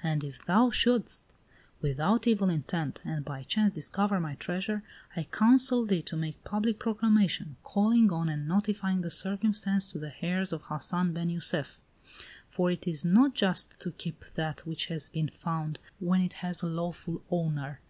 And if thou shouldst, without evil intent, and by chance discover my treasure, I counsel thee to make public proclamation, calling on and notifying the circumstance to the heirs of Hassan ben Jussef; for it is not just to keep that which has been found when it has a lawful owner.